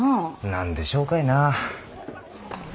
何でしょうかいな。